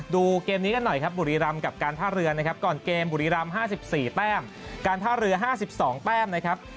ดูเกมนี้กันหน่อยครับบุรีรำกับการท่าเรือนะครับก่อนเกมบุรีรำ๕๔แต้มการท่าเรือ๕๒แต้มนะครับ